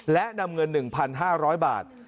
และนำเงิน๑๕๐๐บาท